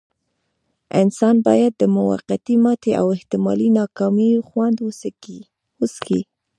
انسان بايد د موقتې ماتې او احتمالي ناکاميو خوند وڅکي.